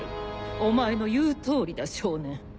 お前の言う通りだ少年。